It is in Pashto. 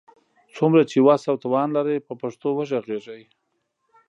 څومره چي وس او توان لرئ، په پښتو وږغېږئ!